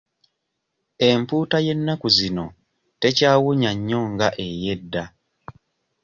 Empuuta y'ennaku zino tekyawunnya nnyo nga ey'edda.